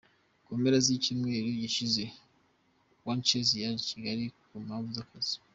Mu mpera z’icyumweru gishize, Wangechi yaje i Kigali ku mpamvu z’akazi.